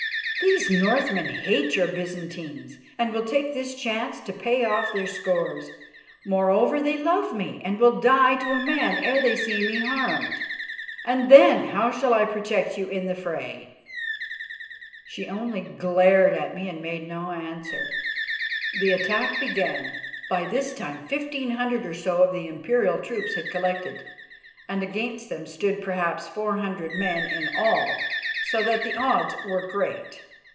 These Northmen hate your Byzantines, and will take this chance to pay off their scores. Moreover, they love me, and will die to a man ere they see me harmed, and then how shall I protect you in the fray?" She only glared at me and made no answer. The attack began. By this time fifteen hundred or so of the Imperial troops had collected, and against them stood, perhaps, four hundred men in all, so that the odds were great.